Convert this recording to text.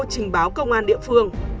trình báo công an địa phương